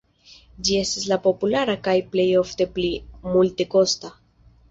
Ĝi estas pli populara kaj plej ofte pli multekosta.